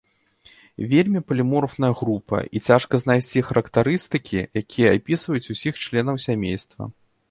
Вельмі паліморфная група, і цяжка знайсці характарыстыкі, якія апісваюць ўсіх членаў сямейства.